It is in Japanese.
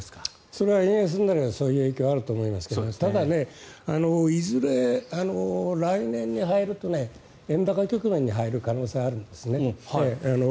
それは円安になればそういう影響はあると思いますがただいずれ、来年に入ると円高局面に入る可能性があるんですね。